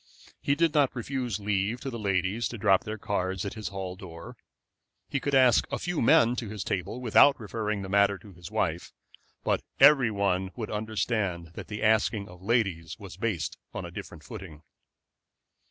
He did not refuse leave to the ladies to drop their cards at his hall door. He could ask a few men to his table without referring the matter to his wife; but every one would understand that the asking of ladies was based on a different footing.